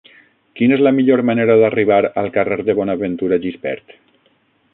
Quina és la millor manera d'arribar al carrer de Bonaventura Gispert?